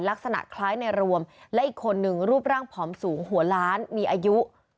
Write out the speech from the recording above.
ลักษณะคล้ายในรวมและอีกคนนึงรูปร่างผอมสูงหัวล้านมีอายุ